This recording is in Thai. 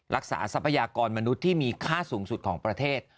ทรัพยากรมนุษย์ที่มีค่าสูงสุดของประเทศ